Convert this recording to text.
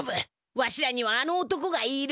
わしらにはあの男がいる！